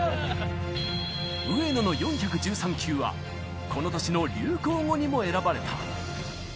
上野の４１３球は、この年の流行語にも選ばれた。